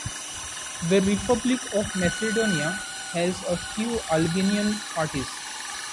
The Republic of Macedonia has a few Albanian parties.